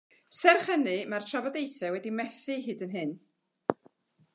Serch hynny, mae'r trafodaethau wedi methu hyd yn hyn.